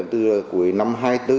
từ cuối năm hai nghìn hai mươi bốn